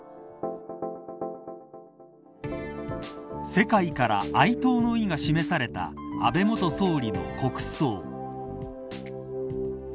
世界から哀悼の意が示された安倍元総理の国葬。